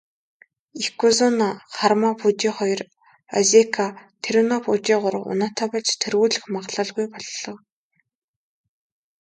Ёкозүна Харүмафүжи хоёр, озеки Тэрүнофүжи гурван унаатай болж түрүүлэх магадлалгүй боллоо.